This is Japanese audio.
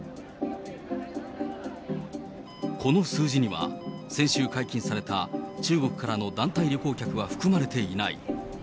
この数字には、先週解禁された中国からの団体旅行客は含まれていない。